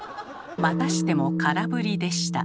またしても空振りでした。